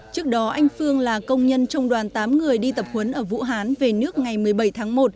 trước đó anh phương là công nhân trong đoàn tám người đi tập huấn ở vũ hán về nước ngày một mươi bảy tháng một